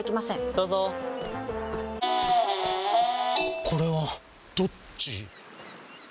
どうぞこれはどっち？